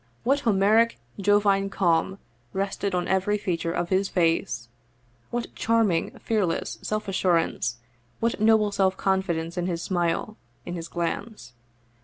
What Homeric, Jovine calm rested on every feature of his face! What charming, fearless self assurance, what noble self confidence in his smile, in his glance!